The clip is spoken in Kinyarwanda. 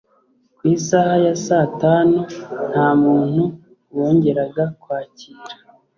kw isaha ya saa tanu nta muntu bongeraga kwakira.